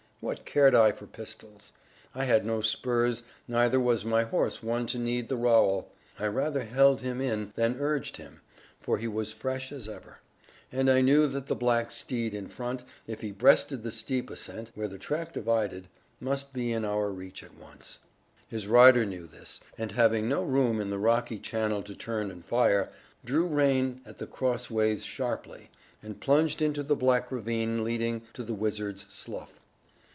What cared I for pistols? I had no spurs, neither was my horse one to need the rowel; I rather held him in than urged him, for he was fresh as ever; and I knew that the black steed in front, if he breasted the steep ascent, where the track divided, must be in our reach at once. His rider knew this, and having no room in the rocky channel to turn and fire, drew rein at the crossways sharply, and plunged into the black ravine leading to the Wizard's Slough.